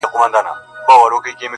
چي حساب د نادارۍ ورکړي ظالم ته!!